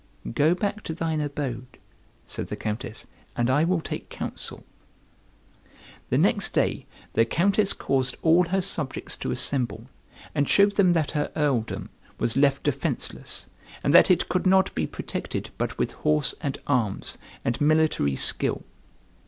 "Go back to thine abode," said the Countess, "and I will take counsel." The next day the Countess caused all her subjects to assemble, and showed them that her earldom was left defenceless, and that it could not be protected but with horse and arms, and military skill.